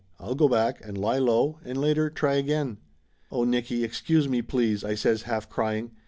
I'll go back and lie low, and later, try again." "Oh, Nicky, excuse me, please!" I says, half crying.